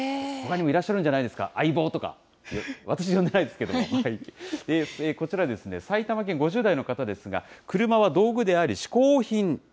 ほかにもいらっしゃるんじゃないですか、相棒とか、私、呼んでないですけれども、こちら、埼玉県、５０代の方ですが、クルマは道具であり、嗜好品。